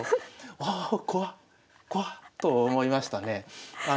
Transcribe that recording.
ああ怖怖と思いましたね。